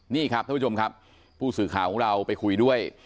นี่ครับท่านผู้ชมครับผู้สื่อข่าวของเราไปคุยด้วย